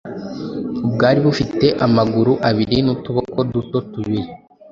ubwari bufite amaguru abiri n’utuboko duto tubiri